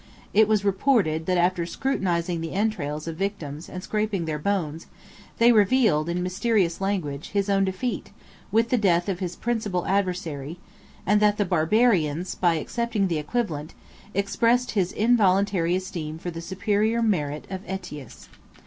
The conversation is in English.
It was reported, that, after scrutinizing the entrails of victims, and scraping their bones, they revealed, in mysterious language, his own defeat, with the death of his principal adversary; and that the Barbarians, by accepting the equivalent, expressed his involuntary esteem for the superior merit of Ætius.